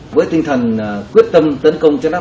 với tinh thần quyết tâm tấn công chuyên áp